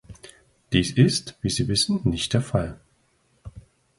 Dies ist, wie Sie wissen, nicht der Fall.